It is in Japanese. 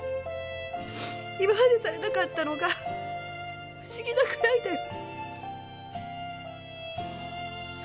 今までされなかったのが不思議なくらいだよ。